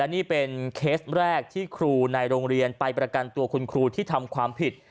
นี่เป็นเคสแรกที่ครูในโรงเรียนไปประกันตัวคุณครูที่ทำความผิด